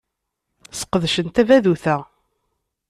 Sqedcen tadabut-a.